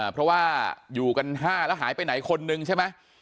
เพราะว่าอยู่กัน๕แล้วหายไปไหนคนนึงใช่ไหม